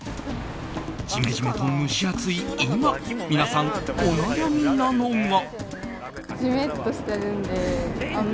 ジメジメと蒸し暑い今皆さんお悩みなのが。